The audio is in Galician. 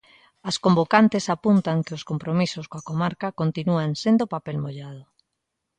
As convocantes apuntan que os compromisos coa comarca "continúan sendo papel mollado".